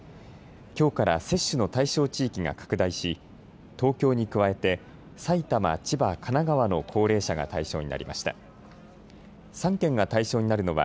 きょうから接種の対象地域が拡大し東京に加えて埼玉、千葉、神奈川の高齢者が対象になりました。